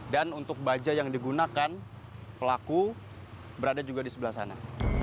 untuk baja yang digunakan pelaku berada juga di sebelah sana